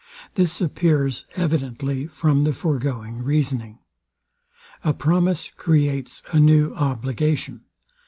This appears evidently from the foregoing reasoning. A promise creates a new obligation.